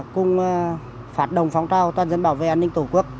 cùng phát đồng phóng trao toàn dân bảo vệ an ninh tổ quốc